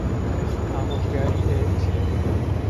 ئامۆژگاریی ئێوە چییە؟